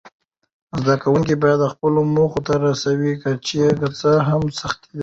زده کوونکي باید خپلو موخو ته رسوي، که څه هم سختۍ وي.